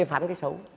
phê phán cái xấu